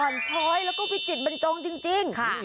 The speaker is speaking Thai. อ่อนช้อยแล้วก็พิจิตรบรรจงนี้นะครับ